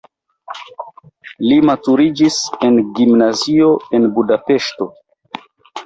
Li maturiĝis en gimnazio en Budapeŝto.